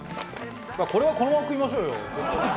これはこのまま食いましょうよ。